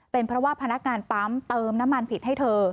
เป็นเพราะว่าพนักงานปั๊มเติมน้ำมันผิดให้เธอ